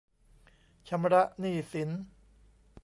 ชำระหนี้สิน